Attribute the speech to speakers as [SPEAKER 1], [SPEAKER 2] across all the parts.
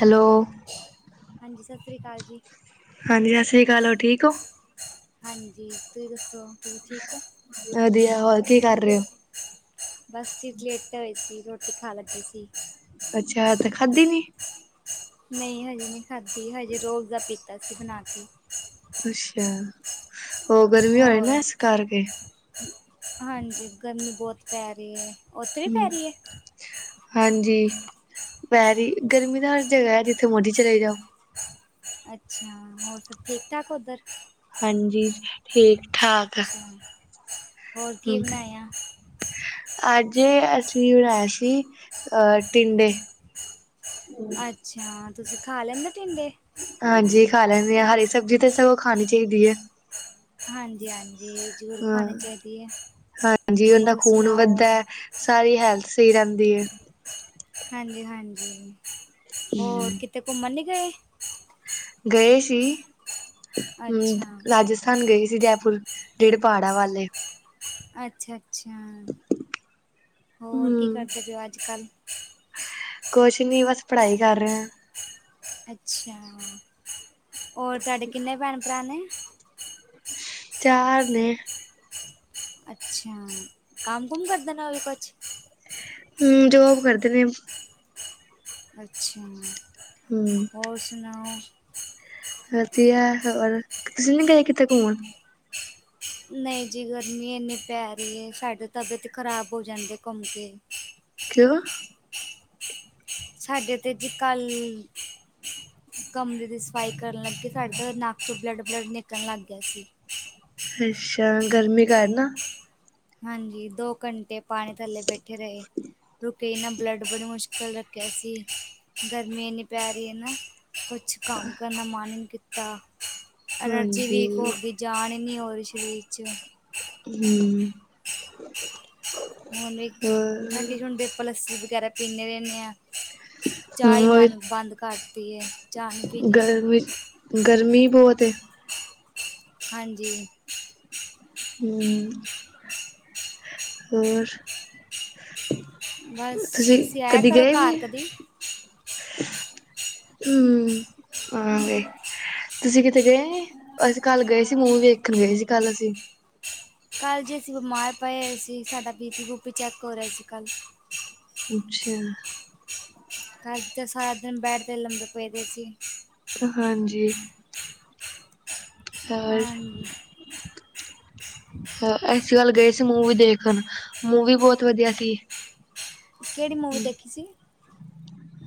[SPEAKER 1] Hello,
[SPEAKER 2] ਹਾਂਜੀ, ਸਤਿ ਸ੍ਰੀ ਅਕਾਲ ਜੀ।
[SPEAKER 1] ਹਾਂਜੀ, ਸਤਿ ਸ਼੍ਰੀ ਅਕਾਲ ਹੋ ਠੀਕ ਓ?
[SPEAKER 2] ਹਾਂਜੀ। ਤੁਹੀ ਦੱਸੋ ਤੁਹੀ ਠੀਕ ਓ?
[SPEAKER 1] ਵਧੀਆ, ਹੋਰ ਕੀ ਕਰ ਰਹੇ ਹੋ?
[SPEAKER 2] ਬਸ ਫਿਰ ਲੇਟੇ ਹੋਏ ਸੀ ਰੋਟੀ ਖਾਣ ਲੱਗੇ ਸੀ।
[SPEAKER 1] ਅੱਛਾ। ਤੇ ਖਾਧੀ ਨੀ।
[SPEAKER 2] ਨਹੀਂ ਹਜੇ ਨਹੀਂ ਖਾਧੀ, ਹਜੇ ਰੋਜ਼ਆਬਜਾ ਪੀਤਾ ਸੀ ਬਣਾ ਕੇ।
[SPEAKER 1] ਅੱਛਾ। ਓ ਗਰਮੀ ਹੋ ਰਹੀ
[SPEAKER 2] ਹੋਰ
[SPEAKER 1] ਨਾ ਇਸ ਕਰਕੇ।
[SPEAKER 2] ਹਾਂਜੀ ਗਰਮੀ ਬਹੁਤ ਪੈ ਰਹੀ ਹੈ, ਓਥੇ ਵੀ
[SPEAKER 1] ਹਮ
[SPEAKER 2] ਪੈ ਰਹੀ ਹੈ।
[SPEAKER 1] ਹਾਂਜੀ। ਪੈ ਰਹੀ ਗਰਮੀ ਤਾਂ ਹਰ ਜਗ੍ਹਾ ਹੈ ਜਿੱਥੇ ਮਰਜੀ ਚਲੇ ਜਾਓ।
[SPEAKER 2] ਅੱਛਾ। ਹੋਰ ਠੀਕ -ਠਾਕ ਉੱਧਰ।
[SPEAKER 1] ਹਾਂਜੀ। ਠੀਕ- ਠਾਕ।
[SPEAKER 2] ਅੱਛਾ ਹੋਰ ਕੀ
[SPEAKER 1] ਹਮ
[SPEAKER 2] ਬਣਾਇਆ?
[SPEAKER 1] ਅੱਜ ਅਸੀਂ ਬਣਾਇਆ ਸੀ ਅਹ ਟਿੰਡੇ।
[SPEAKER 2] ਅੱਛਾ। ਤੁਸੀਂ ਖਾ ਲੈਂਦੇ ਟਿੰਡੇ।
[SPEAKER 1] ਹਾਂਜੀ ਖਾ ਲੈਂਦੇ ਆ, ਹਰੀ ਸਬਜ਼ੀ ਤੇ ਸਗੋਂ ਖਾਣੀ ਚਾਹੀਦੀ ਹੈ।
[SPEAKER 2] ਹਾਂਜੀ- ਹਾਂਜੀ। ਜ਼ਰੂਰ
[SPEAKER 1] ਹਾਂ
[SPEAKER 2] ਖਾਣੀ ਚਾਹੀਦੀ ਹੈ
[SPEAKER 1] ਹਾਂਜੀ ਉਹਦਾ
[SPEAKER 2] ਹੋਰ
[SPEAKER 1] ਖੂਨ
[SPEAKER 2] ਸੁਣਾਓ?
[SPEAKER 1] ਵੱਧਦਾ ਹੈ ਸਾਰੀ ਹੈਲਥ ਸਹੀ ਰਹਿੰਦੀ ਏ।
[SPEAKER 2] ਹਾਂਜੀ- ਹਾਂਜੀ, ਹੋਰ ਕਿਤੇ ਘੁੰਮਣ ਨੀ ਗਏ?
[SPEAKER 1] ਗਏ ਸੀ।
[SPEAKER 2] ਅੱਛਾ
[SPEAKER 1] ਹ ਰਾਜ ਸਥਾਨ ਗਏ ਸੀ ਜੈਪੁਰ, ਜਿਹੜੇ ਪਹਾੜਾਂ ਵਲ਼ ਏ।
[SPEAKER 2] ਅੱਛਾ- ਅੱਛਾ। ਹੋਰ ਕੀ
[SPEAKER 1] ਹਮ
[SPEAKER 2] ਕਰਦੇ ਪਏ ਓ ਅੱਜ ਕੱਲ? [inaudible]
[SPEAKER 1] ਕੁਛ ਨੀ ਬਸ, ਪੜ੍ਹਾਈ ਕਰ ਰਹੇ ਆਂ।
[SPEAKER 2] ਅੱਛਾ, ਹੋਰ ਤੁਹਾਡੇ ਕਿੰਨੇ ਭੈਣ-ਭਰਾ ਨੇ?
[SPEAKER 1] ਚਾਰ ਨੇ।
[SPEAKER 2] ਅੱਛਾ, ਕੰਮ-ਕੁਮ ਕਰਦੇ ਨੇ, ਉਹ ਵੀ ਕੁਛ?
[SPEAKER 1] ਹੂੰ, ਜੋਬ ਕਰਦੇ ਨੇ।
[SPEAKER 2] ਅੱਛਾ,
[SPEAKER 1] ਹਮ
[SPEAKER 2] ਹੋਰ ਸੁਣਾਓ?
[SPEAKER 1] ਵਧੀਆ ਹੋਰ, ਤੁਸੀਂ ਨੀ ਗਏ ਕਿਤੇ ਘੁੰਮਣ?
[SPEAKER 2] ਨਹੀਂ ਜੀ ਗਰਮੀ ਇੰਨੀ ਪੈ ਰਹੀ ਏ, ਸਾਡੇ ਤਬੀਅਤ ਖ਼ਰਾਬ ਹੋ ਜਾਂਦੇ ਘੁੰਮਕੇ।
[SPEAKER 1] ਕਿਉਂ?
[SPEAKER 2] ਸਾਡੇ ਤੇ ਜੀ ਕੱਲ- ਕਮਰੇ ਦੀ ਸਫਾਈ ਕਰਨ ਲੱਗੀ ਸਾਡੇ ਘਰ, ਨੱਕ'ਚ ਬਲੱਡ-ਬਲੱਡ ਨਿਕਲਣ ਲੱਗ ਗਿਆ ਸੀ।
[SPEAKER 1] ਅੱਛਾ, ਗਰਮੀ ਕਾਰਨ ਨਾ?
[SPEAKER 2] ਹਾਂਜੀ, ਦੋ ਘੰਟੇ ਪਾਣੀ ਥੱਲੇ ਬੈਠੇ ਰਹੇ, ਰੁ ਕੇ ਈ ਨਾ ਬਲੱਡ, ਬੜੀ ਮੁਸ਼ਕਲ ਰੱਕਿਆ ਸੀ, ਗਰਮੀ ਏਨੀ ਪੈ ਰੀ ਏ ਨਾ। ਕੁਛ ਕੰਮ ਕਰਨ ਦਾ ਮਨ ਨੀ ਕੀਤਾ, ਅਲਰਜੀ ਵੀ ਇੱਕ
[SPEAKER 1] ਹਾਂਜੀ
[SPEAKER 2] ਹੋਗੀ। ਜਾਣ ਈ ‌ਨੀ ਹੋਰੀ, ਸ਼ਰੀਰ'ਚ।
[SPEAKER 1] ਹੂੰ।
[SPEAKER 2] ਹੁਨ ਇੱਕ,
[SPEAKER 1] ਹੋਰ
[SPEAKER 2] ਠੰਡੀ-ਠੰਡੀ ਅਪਾ ਲੱਸੀ ਵਗੈਰਾ ਪੀਂਨੇ ਰੇਂਨੇ ਆ। ਚਾਯ
[SPEAKER 1] ਹਮ
[SPEAKER 2] ਮਾਨ ਬਾਂਦ ਕਾਰਤੀ ਏ, ਚਾ ਨੀ ਪੀਨੀ।
[SPEAKER 1] ਫਿਰ ਵਿਚ ਗਰਮੀ ਬੋਤ ਏ।
[SPEAKER 2] ਹਾਂਜੀ।
[SPEAKER 1] ਹੂੰ, ਹੋਰ?
[SPEAKER 2] ਬਸ, ਤੁਸੀਂ ਆਇਆ ਕਰੋ, ਘਰ ਕਦੀ?
[SPEAKER 1] ਹੂੰ, ਆਵਾਂਗੇ। ਤੁਸੀਂ ਕਿਤੇ ਗਏ? ਅਸੀਂ ਕੱਲ ਗਏ ਸੀ ਮੂੰਵੀ ਵੇਖਣ ਗਏ ਸੀ ਕੱਲ ਅਸੀਂ।
[SPEAKER 2] ਕੱਲ੍ਹ ਜੇ ਅਸੀਂ ਬਿਮਾਰ ਪਏ ਹੋਏ ਸੀ, ਸਾਡਾ ਬੀਪੀ- ਬੂਪੀ ਚੈੱਕ ਹੋਰਿਆ ਸੀ ਕੱਲ।
[SPEAKER 1] ਅੱਛਾ।
[SPEAKER 2] ਕਾਲ ਤੇ ਸਾਰਾ ਦਿਨ ਬੈਡ ਤੇ ਲੰਬੇ ਪਏ ਰੇ ਸੀ।
[SPEAKER 1] ਹਾਂਜੀ। ਹੋਰ
[SPEAKER 2] ਆਂਜੀ।
[SPEAKER 1] ਅਸੀ ਕਲ ਗਏ ਸੀ ਮੂਵੀ ਦੇਖਣ, ਮੂਵੀ ਬੋਤ ਵਧੀਆ ਸੀ।
[SPEAKER 2] ਕੇੜੀ ਮੁੂਵੀ ਦੇਖੀ ਸੀ?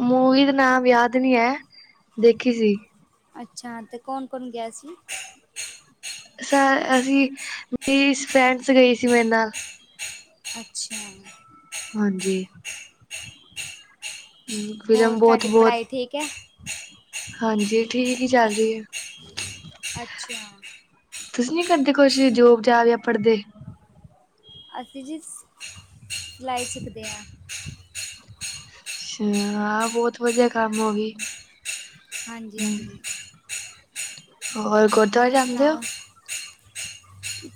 [SPEAKER 1] ਮੂਵੀ ਦਾ ਨਾਮ ਯਾਦ ਨੀ ਐ, ਦੇਖੀ ਸੀ।
[SPEAKER 2] ਅੱਛਾ, ਤੇ ਕੋਣ-ਕੋਣ ਗਿਆ ਸੀ?
[SPEAKER 1] ਸ, ਅਸੀਂ, ਮੇਰੀ ਫਰੈਂਡਸ ਗਈ ਸੀ ਮੇਰੇ ਨਾਲ।
[SPEAKER 2] ਅੱਛਾ।
[SPEAKER 1] ਹਾਂਜੀ।
[SPEAKER 2] ਹੋਰ,
[SPEAKER 1] ਫਿਲਮ ਬਹੁਤ
[SPEAKER 2] ਤੁਆਡੀ
[SPEAKER 1] ਬਹੁਤ
[SPEAKER 2] ਪੜ੍ਹਾਈ ਠੀਕ ਐ?
[SPEAKER 1] ਹਾਂਜੀ, ਠੀਕ ਈ ਚੱਲਰੀ ਏ।
[SPEAKER 2] ਅੱਛਾ।
[SPEAKER 1] ਤੁਸੀਂ ਨੀ ਕਰਦੇ ਕੁਛ, ਜੋਬ-ਜਾਬ ਯਾ ਪੜ੍ਹਦੇ?
[SPEAKER 2] ਅਸੀਂ ਜੀ, ਸ ਸਲਾਈ ਸਿਖਦੇ ਆ।
[SPEAKER 1] ਅੱਛਾ, ਆਹ ਬਹੁਤ ਵਧੀਆ ਕੰਮ ਓਵੀ।
[SPEAKER 2] ਹਾਂਜੀ ਹਾਂਜੀ
[SPEAKER 1] ਹੋਰ ਗੁਰਦੁਆਰੇ
[SPEAKER 2] ਹੋਰ
[SPEAKER 1] ਜਾਂਦੇ ਔ
[SPEAKER 2] ਸੁਣਾਓ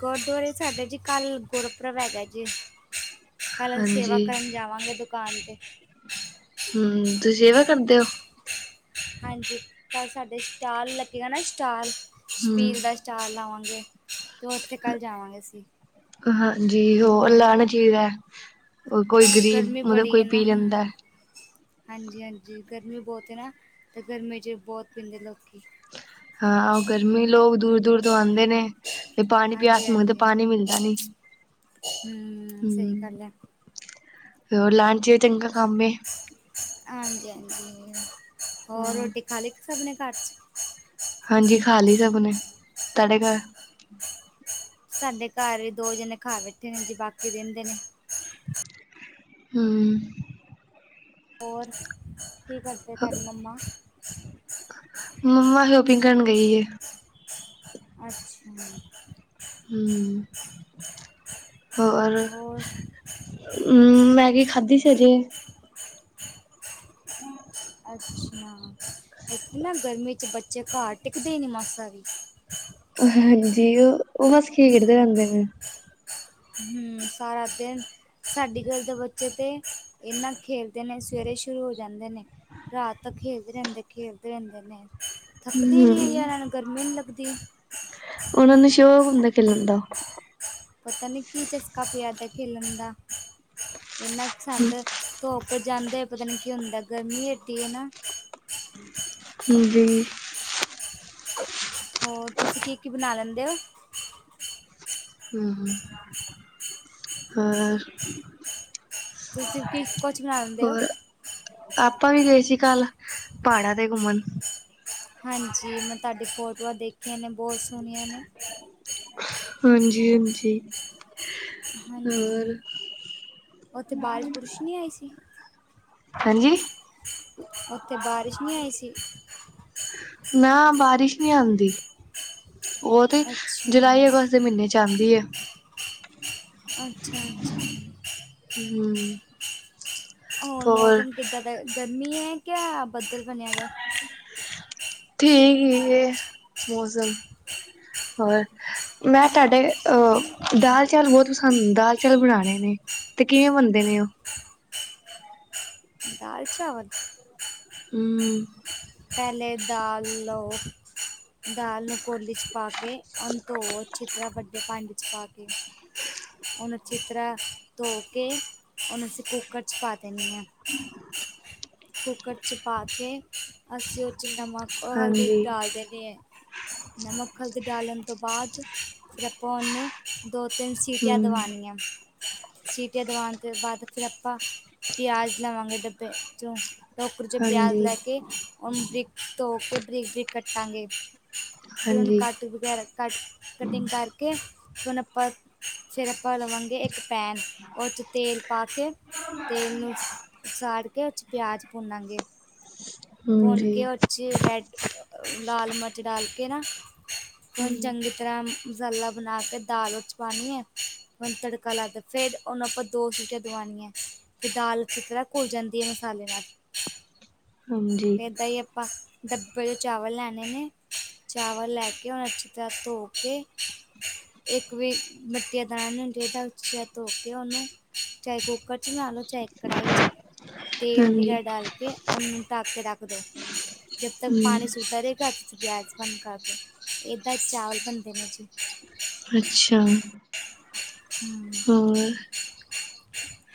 [SPEAKER 2] ਗੁਰਦੁਆਰੇ ਸਾਡੇ ਜੀ ਕਲ ਗੁਰਪੁਰਬ ਹੈਗੇ ਜੀ। ਕੱਲ੍ ਹੁਨ ਸੇਵਾ
[SPEAKER 1] ਹਾਂਜੀ
[SPEAKER 2] ਕਰਨ ਜਾਵਾਂਗੇ ਦੁਕਾਨ 'ਤੇ
[SPEAKER 1] ਹੰ ਤੁਸੀਂ ਸੇਵਾ ਕਰਦੇ ੳ
[SPEAKER 2] ਹਾਂਜੀ ਕਲ ਸਾਡੇ ਸਟਾਲ ਲੱਗੇਗਾ ਨਾ ਸਟਾਲ ਸ਼ਬੀਲ ਦਾ
[SPEAKER 1] ਹੂੰ
[SPEAKER 2] ਸਟਾਲ ਲਾਵਾਂਗੇ ਤੇ ਉੱਥੇ ਕਲ ਜਾਵਾਂਗੇ ਅਸੀ
[SPEAKER 1] ਹਾਂਜੀ ਹੋਰ ਲੈਨਾ ਚਈਦਾ ਉ ਕੋਈ ਗਰੀਬ ਮਤਲਬ ਕੋਈ ਪੀ ਲੈਦਾੰ
[SPEAKER 2] ਹਾਂਜੀ-ਹਾਂਜੀ ਗਰਮੀ ਬੋਤ ਏ ਨਾ ਤੇ ਗਰਮੀ ਚ ਬੋਤ ਪੀਂਦੇ ਲੋਕੀ
[SPEAKER 1] ਹਾਂ ੳ ਗਰਮੀ ਲੋਗ ਦੂਰ-ਦੂਰ ਤੋਂ ਆਂਦੇ ਨੇ ਤੇ ਪਾਨੀ
[SPEAKER 2] ਹਾਂਜੀ
[SPEAKER 1] ਪਿਆਸ ਮੰਗਦੇ
[SPEAKER 2] ਹਾਂਜੀ
[SPEAKER 1] ਪਾਨੀ ਮਿਲਦਾ ਨੀ
[SPEAKER 2] ਹਮ ਸਹੀ
[SPEAKER 1] ਹੁੰ
[SPEAKER 2] ਗੱਲ ਹੈ
[SPEAKER 1] ਹੋਰ ਲਾੲਨ ਚ ਚੰਗਾ ਕਮ ਏ
[SPEAKER 2] ਹਾਂਜੀ-ਹਾਂਜੀ ਹੋਰ ਰੋਟੀ ਖਾ ਲੀ ਕਿ ਸਬਨੇ ਘਰ ਚ
[SPEAKER 1] ਹਾਂਜੀ ਖਾ ਲੀ ਸਭ ਨੇ ਤਾਡੇ ਘਰ
[SPEAKER 2] ਸਾਡੇ ਘਾਰ ਵੀ ਦੋ ਜਣੇ ਖਾ ਬੈਠੇ ਨੇ ਜੀ ਬਾਕੀ ਰੇਂਦੇ ਨੇ
[SPEAKER 1] ਹੰ
[SPEAKER 2] ਰੋਰ ਕੀ ਕਰਦੇ ਤਾਡੀ ਮੰਮਾ
[SPEAKER 1] ਮੰਮਾ ਸ਼ੋਪਿੰਗ ਕਰਨ ਗਈ ਏ
[SPEAKER 2] ਅੱਛਾ
[SPEAKER 1] ਹੰ ਹੋਰ ਹਮ ਮੈਗੀ ਖਾਧੀ ਸੀ ਹਜੇ ਹਮ [unintelligible]
[SPEAKER 2] ਅੱਛਾ ਇਥੇ ਨਾ ਗਰਮੀ ਚ ਬੱਚੇ ਘਰ ਟਿਕਦੇ ਈ ਨਹੀਂ ਮਾਸਾ ਵੀ
[SPEAKER 1] ਹਾਂਜੀ ਉਹ ਉਹ ਬਸ ਖੇਡਦੇ ਰਹਿੰਦੇ ਨੇ
[SPEAKER 2] ਹਮ ਸਾਰਾ ਦਿਨ ਸਾਡੀ ਗਲੀ ਦੇ ਬੱਚੇ ਤਾਂ ਏਨਾਂ ਖੇਲਦੇ ਨੇ ਸਵੇਰੇ ਸ਼ੁਰੂ ਹੋ ਜਾਂਦੇ ਨੇ ਰਾਤ ਤਕ ਖੇਲਦੇ ਰਹਿੰਦੇ ਖੇਲਦੇ ਰਹਿੰਦੇ ਨੇ ਥੱਕਦੇ ਈ ਨਹੀਂ ਹੈ
[SPEAKER 1] ਹੂੰ
[SPEAKER 2] ਯਾਰ ਏਨਾ ਨੁ ਗਰਮੀ ਨਹੀਂ ਲਗਦੀ
[SPEAKER 1] ਉਹਨਾਂ ਨੂੰ ਸ਼ੋਕ ਹੁੰਦਾ ਖੇਲਨ ਦਾ
[SPEAKER 2] ਪਤਾ ਨਹੀਂ ਕੀ ਚਸਕਾ ਪਿਆਦਾ ਖੇਲਣ ਦਾ ਏਨਾ ਕੁ ਸਾਨੁ ਤੇ ਧੋਪ ਪਰ ਜਾੰਦੇ ਪਤਾ ਨੀ ਕੀ ਹੁੰਦਾ ਗਰਮੀ ਏਡੀ ਏ ਨਾ
[SPEAKER 1] ਹਾੰਜੀ
[SPEAKER 2] ਹੋਰ ਤੁਸੀਂ ਕੀ ਕੀ ਬਨਾ ਲੈਂਦੇ ਔ
[SPEAKER 1] ਹਮ ਹੋਰ
[SPEAKER 2] ਤੁਸੀਂ ਕੀ ਕੁਛ ਬਣਾ ਲੈਂਦੇ ਹੋ
[SPEAKER 1] ਹੋਰ ਆਪਾਂ ਵੀ ਗਏ ਸੀ ਕੱਲ ਪਹਾੜਾਂ ਤੇ ਘੁੰਮਣ
[SPEAKER 2] ਹਾਂਜੀ ਮੈਂ ਤਾਡੀ ਫੋਟੋਆਂ ਦੇਖੀਆਂ ਨੇ ਬਹੁਤ ਸੋਹਣੀਆਂ ਨੇ
[SPEAKER 1] ਹਾਂਜੀ-ਹਾਂਜੀ ਹੋਰ
[SPEAKER 2] ਹਾਂਜੀ ਉੱਥੇ ਬਾਰਿਸ਼ ਬੁਰਿਸ਼ ਨਹੀਂ ਆਈ ਸੀ
[SPEAKER 1] ਹਾਂਜੀ
[SPEAKER 2] ਉੱਥੇ ਬਾਰਿਸ਼ ਨੀ ਆਈ ਸੀ
[SPEAKER 1] ਨਾ ਬਾਰਿਸ਼ ਨਹੀ ਆੰਦੀ ਉਹ ਤੇ
[SPEAKER 2] ਅੱਛਾ,
[SPEAKER 1] ਜੁਲਾਈ ਅਗਸਤ ਦੇ ਮਹੀਨੇ ਚ ਆੰਦੀ ਏ
[SPEAKER 2] ਅੱਛਾ-ਅੱਛਾ
[SPEAKER 1] ਹਮ
[SPEAKER 2] ਹੁਣ ਮੌਸਮ ਕਿੱਦਾਂ ਦਾ ਗਰਮੀ ਹੈ ਕਿਆ ਬੱਦਲ ਬਣਿਆ ਵਾ।
[SPEAKER 1] ਠੀਕ ਹੀ ਇਹ ਮੌਸਮ ਹੋਰ। ਮੈਂ ਤੁਹਾਡੇ ਅਹ ਦਾਲ ਚਾਲ ਬਹੁਤ ਪਸੰਦ ਦਾਲ ਚੌਲ ਬਣਾਉਣੇ ਨੇ। ਤੇ ਕਿਵੇਂ ਬਣਦੇ ਨੇ ਉਹ।
[SPEAKER 2] ਦਾਲ ਚਾਵਲ।
[SPEAKER 1] ਹੂ।
[SPEAKER 2] ਪਹਿਲੇ ਦਾਲ ਲਓ ਦਾਲ ਨੂੰ ਕੋਲੀ ਚ ਪਾ ਕੇ ਉਹਨੂੰ ਧੋ ਚੰਗੀ ਤਰਾਂ ਵੱਡੇ ਭਾਂਡੇ ਵਿੱਚ ਪਾ ਕੇ ਉਹਨੂੰ ਅੱਛੀ ਤਰਾਂ ਧੋ ਕੇ ਹੁਣ ਅਸੀਂ ਕੁੱਕਰ ਚ ਪਾ ਦੇਣੀ ਆ, ਕੁੱਕਰ ਚ ਪਾਕੇ ਅਸੀਂ ਉਹਦੇ ਚ ਨਮਕ ਹਲਦੀ
[SPEAKER 1] ਹਾਂਜੀ
[SPEAKER 2] ਡਾਲ ਦੇਣੀ ਆ ਨਮਕ ਹਲਦੀ ਡਾਲਣ ਤੋਂ ਬਾਅਦ ਫਿਰ ਆਪਾਂ ਉਹਨੂੰ ਦੋ ਤਿੰਨ ਸਿਟੀਆਂ
[SPEAKER 1] ਹੂੰ
[SPEAKER 2] ਦਵਾਨੀਆਂ ਸਿਟੀਆਂ ਦਵਾਨ ਤੋਂ ਬਾਅਦ ਫਿਰ ਆਪਾਂ ਪਿਆਜ਼ ਲਵਾਂਗੇ ਟੋਕਰੀ ਚ ਪਿਆਜ਼
[SPEAKER 1] ਹਾਂਜੀ,
[SPEAKER 2] ਲੈ ਕੇ ਉਹ ਬਰੀਕ ਧੋ ਕੇ ਬਰੀਕ, ਬਰੀਕ ਕੱਟਾਂਗੇ। ਫਿਰ ਉਹਨੂੰ
[SPEAKER 1] ਹਾਂਜੀ,
[SPEAKER 2] ਕੱਟ ਵਗੈਰਾ ਕਟ ਕਟਿੰਗ ਕਰਕੇ ਸੋ ਅਪਾ ਰੱਪਾ ਲਵਾਂਗੇ ਇੱਕ ਪੈਨ ਉਹਦੇ ਚ ਤੇਲ ਪਾ ਕੇ ਤੇਲ ਨੂੰ ਸਾੜ ਕੇ ਉਹਦੇ ਚ ਪਿਆਜ ਭੁੰਨਾਂਗੇ। ਭੂਨ ਕੇ
[SPEAKER 1] ਹਾਂਜੀ।
[SPEAKER 2] ਚੀ ਰੈਡ ਲਾਲ ਮਿਰਚ ਡਾਲ ਕੇ ਨਾ ਉਹਨੂੰ
[SPEAKER 1] ਹੂੰ।
[SPEAKER 2] ਚੰਗੀ ਤਰ੍ਹਾਂ ਮਸਾਲਾ ਬਣਾ ਕੇ ਦਾਲ ਉਹਦੇ ਚ ਪਾਣੀ ਏ। ਤੜਕਾ ਲਾ ਕੇ ਫਿਰ ਉਹਨਾਂ ਆਪਾ ਦੋ ਸੀਟੀ ਦਵਾਉਣੀਆਂ। ਤੇ ਦਾਲ ਕਿਸ ਤਰ੍ਹਾਂ ਘੁੱਲ ਜਾਂਦੀ ਹੈ ਮਸਾਲੇ ਨਾਲ
[SPEAKER 1] ਹਾਂਜੀ,
[SPEAKER 2] ਫੇਰ ਇਦਾਂ ਆਪਾਂ ਡੱਬੇ ਦੇ ਚਾਵਲ ਲੈਣੇ ਨੇ ਚਾਵਲ ਲੈ ਕੇ ਓਨੂੰ ਅੱਛੀ ਤਰ੍ਹਾਂ ਧੋ ਕੇ [unintelligible] ਇੱਕ ਵੀ ਮਿੱਟੀ ਦਾ [unintelligible] ਚਾਏ ਕੂਕਰ ਚ ਬਨਾਲੋ। ਚਾਏ ਕੜਾਈ ਚ ਤੇਲ
[SPEAKER 1] ਹਾਂਜੀ,
[SPEAKER 2] ਵਗੈਰਾ ਡਾਲ ਕੇ ਓਨੂੰ ਢਕ ਕੇ ਰੱਖ ਦੋ ਜਬ ਤੱਕ
[SPEAKER 1] ਹੂੰ
[SPEAKER 2] ਪਾਣੀ ਸੁਕਦਾ ਏ ਕਰ ਪਿਆਜ਼ [unintelligible] ਏਦਾ ਹੀ ਚਾਵਲ ਬਣਦੇ ਨੇ ਜੀ।
[SPEAKER 1] ਅੱਛਾ।
[SPEAKER 2] ਹੂੰ।
[SPEAKER 1] ਹੋਰ।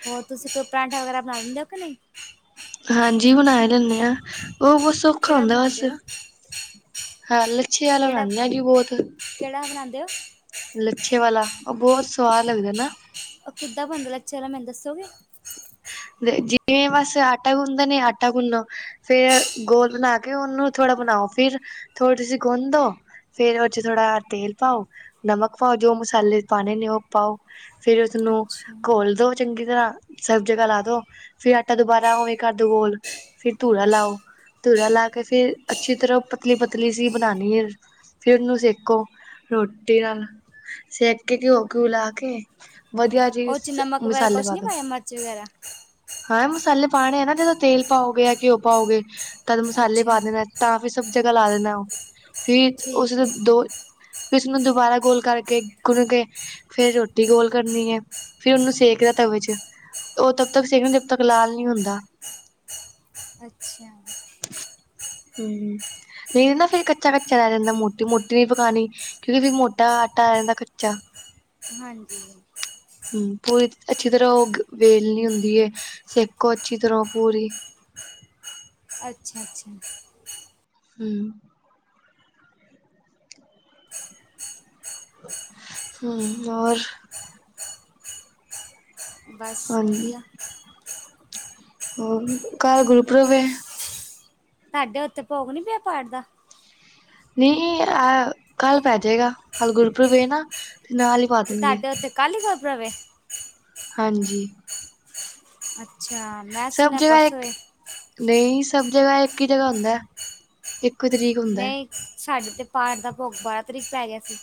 [SPEAKER 2] ਹੋਰ ਤੁਸੀਂ ਕੋਈ ਪਰਾਂਠਾ ਵਗੈਰਾ ਬਣਾ ਦਿੰਦੇ ਹੋ ਕੇ ਨਈ।
[SPEAKER 1] ਹਾਂਜੀ ਬਨਾ ਲੈਂਨੇ ਆ ਓ ਬੋਤ ਸੌਖਾ
[SPEAKER 2] ਕਿਹੜਾ
[SPEAKER 1] ਹੁੰਦਾ ਬਸ
[SPEAKER 2] ਬਣਾਉਂਦੇ ਹੋ
[SPEAKER 1] ਹਾਂ। ਲਛੇ ਅਲਾ
[SPEAKER 2] ਕਿਹੜਾ
[SPEAKER 1] ਬਣਾਣੇ ਆ ਜੀ ਬੋਤ।
[SPEAKER 2] ਕਿਹੜਾ ਬਣਾਉਂਦੇ ਹੋ
[SPEAKER 1] ਲੱਛੇ ਵਾਲਾ ਓ ਬੋਤ ਸਵਾਦ ਲੱਗਦਾ ਨਾ।
[SPEAKER 2] ਓਕਿੱਦਾਂ ਬਣਦਾ ਲੱਛੇ ਵਾਲਾ ਮੈਨੂੰ ਦੱਸੋਗੇ?
[SPEAKER 1] ਤੇ ਜਿਵੇਂ ਬਸ ਆਟਾ ਗੁੰਨਦੇ ਨੇ ਆਟਾ ਗੁੰਨੋ ਫੇਰ ਗੋਲ ਬਣਾ ਕੇ ਓਨੂੰ ਥੋੜ੍ਹਾ ਬਣਾਓ ਫਿਰ ਥੋੜੀ ਸੀ ਗੁੰਦੋ ਫੇਰ ਓਹਦੇ ਚ ਥੋੜਾ ਤੇਲ ਪਾਓ ਨਮਕ ਪਾਓ ਜੋ ਮਸਾਲੇ ਪਾਣੇ ਨੇ ਓ ਪਾਓ ਫਿਰ ਉਸਨੂੰ
[SPEAKER 2] ਅੱਛਾ
[SPEAKER 1] ਘੋਲ ਦੋ ਚੰਗੀ ਤਰ੍ਹਾਂ ਸਬ ਜਗ੍ਹਾ ਲਾ ਦੋ ਫਿਰ ਆਟਾ ਦੁਬਾਰਾ ਓਵੇਂ ਕਰਦੋ ਗੋਲ ਫਿਰ ਤੁੜਾ ਲਾਓ। ਧੂਰਾ ਲਾ ਕੇ ਫੇਰ ਅੱਛੀ ਤਰ੍ਹਾਂ ਪਤਲੀ-ਪਤਲੀ ਸੀ ਬਣਾਣੀ ਐ। ਫਿਰ ਓਨੂੰ ਸੇਕੋ ਰੋਟੀ ਨਾਲ ਸੇਕ ਕੇ ਘਿਓ-ਘਿਓ ਲਾ ਕੇ ਵਧੀਆ ਜੀ
[SPEAKER 2] ਓਦੇ ਚ ਨਮਕ ਵਗੈਰਾ
[SPEAKER 1] ਮਸਾਲੇ
[SPEAKER 2] ਕੁੱਛ
[SPEAKER 1] ਪਾ
[SPEAKER 2] ਨੀ
[SPEAKER 1] ਦੋ
[SPEAKER 2] ਪਾਇਆ ਮਿਰਚ ਵਗੈਰਾ।
[SPEAKER 1] ਹਾਂ ਮਸਾਲੇ ਪਾਣੇ ਆ ਨਾ ਜਦੋਂ ਤੇਲ ਪਾਓਗੇ ਜਾਂ ਘਿਓ ਪਾਓਗੇ ਤਦ ਮਸਾਲੇ ਪਾ
[SPEAKER 2] ਅੱਛਾ
[SPEAKER 1] ਦੇਣਾ ਤਾਂ ਵੀ ਸਭ ਜਗ੍ਹਾ ਲਾ ਦੇਣਾ ਓ ਫੀ
[SPEAKER 2] ਠੀਕ
[SPEAKER 1] ਉਸਦੇ ਦੋ
[SPEAKER 2] ਹੈ
[SPEAKER 1] ਉਸਨੂੰ ਦੁਬਾਰਾ ਗੋਲ ਕਰਕੇ ਗੁਣ ਕੇ ਫੇਰ ਰੋਟੀ ਗੋਲ ਕਰਨੀ ਐ ਫੇਰ ਉਨੂੰ ਸੇਕਦਾ ਤਵੇ ਚ। ਓ [unintelligible] ਤੱਕ ਸਕਣ ਜਬ ਤੱਕ ਲਾਲ ਨੀ ਹੁੰਦਾ।
[SPEAKER 2] ਅੱਛਾ।
[SPEAKER 1] ਹੂੰ ਨਈ [unintelligible] ਫੇਰ ਕੱਚਾ-ਕੱਚਾ ਰੈ ਜਾਂਦਾ ਮੋਟੀ-ਮੋਟੀ ਵੀ ਪਕਾਣੀ। ਕਿਉਂਕਿ ਵੀ ਮੋਟਾ ਆਟਾ ਰੈਂ ਜਾਦਾ ਕੱਚਾ।
[SPEAKER 2] ਹਾਂਜੀ।
[SPEAKER 1] ਹੂੰ ਪੂਰੀ ਅੱਛੀ ਤਰ੍ਹਾਂ ਓ ਗ ਵੇਲਣੀ ਹੁੰਦੀ ਏ ਸੇਕੋ ਅੱਛੀ ਤਰ੍ਹਾਂ ਪੂਰੀ।
[SPEAKER 2] ਅੱਛਾ।
[SPEAKER 1] ਹੂੰ। ਹੂੰ ਹੋਰ?
[SPEAKER 2] ਬਸ ਵਧੀਆ।
[SPEAKER 1] ਕਲ ਗੁਰਪੂਰਬ ਏ?
[SPEAKER 2] ਤਾਡੇ ਉੱਥੇ ਭੋਗ ਨੀ ਪਿਆ ਪਾਠ ਦਾ?
[SPEAKER 1] ਨਈ ਆ ਕੱਲ੍ਹ ਪੈ ਜੇਗਾ ਕੱਲ੍ਹ ਗੁਰਪੁਰਬ ਏ ਨਾ ਤੇ ਨਾਲ ਈ
[SPEAKER 2] ਤੇ ਤਾਡੇ ਉੱਥੇ ਕਲ ਈ ਗੁਰਪਰਬ ਏ?
[SPEAKER 1] ਹਾਂਜੀ।
[SPEAKER 2] ਅੱਛਾ। ਮੈਂ
[SPEAKER 1] ਸਭ
[SPEAKER 2] ਸੁਣਿਆ
[SPEAKER 1] ਜਗ੍ਹਾ
[SPEAKER 2] ਪਰਸੋਂ
[SPEAKER 1] ਇੱਕ
[SPEAKER 2] ਹੈ
[SPEAKER 1] ਨਈ ਸਭ ਜਗ੍ਹਾ ਇੱਕ ਹੀ ਜਗ੍ਹਾ ਹੁੰਦੈ। ਇੱਕ ਤਰੀਕ ਹੁੰਦੈ।
[SPEAKER 2] ਨਹੀਂ ਸਾਡੇ ਤੇ ਪਾਠ ਦਾ ਭੋਗ ਬਾਰਾਂ ਤਰੀਕ ਪੈ ਗਿਆ ਸੀ।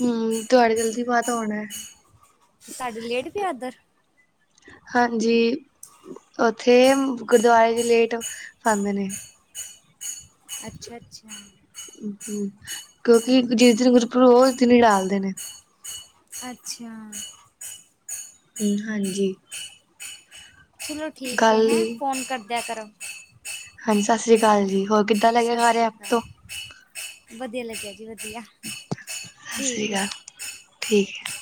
[SPEAKER 1] ਹੂੰ ਤੁਹਾਡੇ ਜਲਦੀ ਪਾਤਾ ਹੋਣਾ।
[SPEAKER 2] ਸਾਡੀ ਲੇਟ ਪਿਆ ਇਦਰ
[SPEAKER 1] ਹਾਂਜੀ। ਹਾਜੀ ਓਥੇ ਗੁਰਦੁਆਰੇ ਦੀ ਲੇਟ ਪਾਦੇ ਨੇ।
[SPEAKER 2] ਅੱਛਾ-ਅੱਛਾ
[SPEAKER 1] ਹਾ ਕਿਉਂਕਿ ਜਿਸ ਦਿਨ ਗੁਰਪੁਰੂ ਉਸ ਦਿਨ ਹੀ ਡਾਲਦੇ ਨੇ।
[SPEAKER 2] ਅੱਛਾ।
[SPEAKER 1] ਹਾਂਜੀ।
[SPEAKER 2] ਚਲੋ ਠੀਕ ਹੈ,
[SPEAKER 1] ਗੱਲ
[SPEAKER 2] ਹੈਂ ਫ਼ੋਨ ਕਰਦਿਆਂ ਕਰੋ।
[SPEAKER 1] ਹਾਂਜੀ, ਸਤਿ ਸ੍ਰੀ ਅਕਾਲ ਜੀ ਹੋਰ ਕਿ।
[SPEAKER 2] ਹਾਜੀ ਸਤਿ ਸ਼੍ਰੀ ਅਕਾਲ ਜੀ, ਵਧੀਆ ਲੱਗਿਆ ਜੀ, ਵਧੀਆ।
[SPEAKER 1] ਸਤਿ ਸ਼੍ਰੀ
[SPEAKER 2] ਠੀਕ ਹੈ
[SPEAKER 1] ਅਕਾਲ ਜੀ, ਠੀਕ ਹੈ।